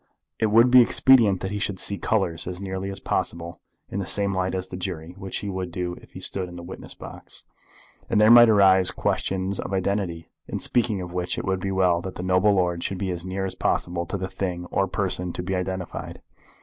It would be expedient that he should see colours as nearly as possible in the same light as the jury, which he would do if he stood in the witness box. And there might arise questions of identity, in speaking of which it would be well that the noble lord should be as near as possible to the thing or person to be identified.